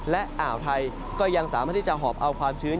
และอ่าวไทยก็ยังสามารถที่จะหอบเอาความชื้น